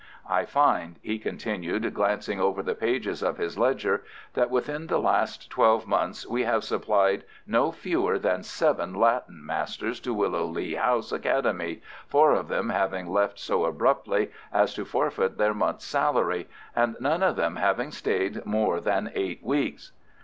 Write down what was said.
I find," he continued, glancing over the pages of his ledger, "that within the last twelve months we have supplied no fewer than seven Latin masters to Willow Lea House Academy, four of them having left so abruptly as to forfeit their month's salary, and none of them having stayed more than eight weeks."